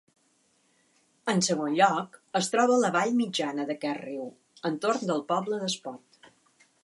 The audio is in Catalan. En segon lloc, es troba la vall mitjana d'aquest riu, entorn del poble d'Espot.